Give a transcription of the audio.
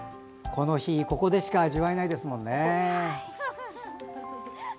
この日、ここでしか味わえないもんね。